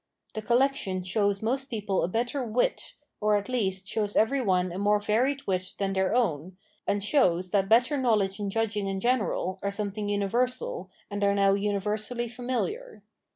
The collection shows most people a better wit, or at least shows every one a more varied wit than their own, and shows that better knowledge and judging in general are some 548 Phenomenology of Mind thing universal and are now universally familiar.